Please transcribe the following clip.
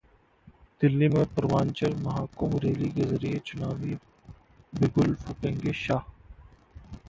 दिल्ली में पूर्वांचल महाकुंभ रैली के जरिए चुनावी बिगुल फूंकेंगे शाह